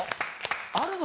あるの？